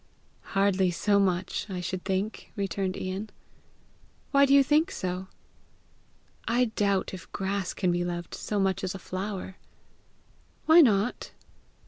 "Hardly so much, I should think!" returned Ian. "Why do you think so?" "I doubt if grass can be loved so much as a flower." "Why not?"